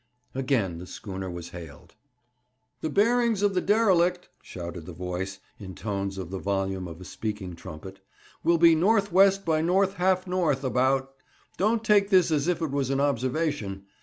Again the schooner was hailed. 'The bearings of the derelict,' shouted the voice, in tones of the volume of a speaking trumpet, 'will be north west by north half north, about. Don't take this as if it was an observation.